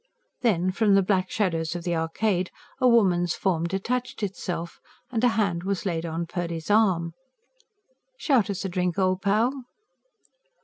Then, from the black shadows of the Arcade, a woman's form detached itself, and a hand was laid on Purdy's arm. "Shout us a drink, old pal!"